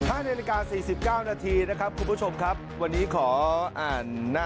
ท่านอาฬิกา๔๙นาทีนะครับคุณผู้ชมครับวันนี้ขออ่านหน้า